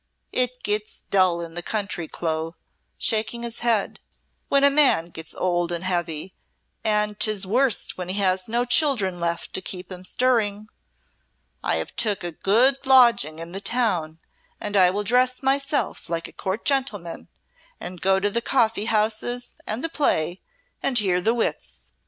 It gets dull in the country, Clo," shaking his head, "when a man gets old and heavy, and 'tis worst when he has no children left to keep him stirring. I have took a good lodging in the town, and I will dress myself like a Court gentleman and go to the coffee houses and the play, and hear the wits.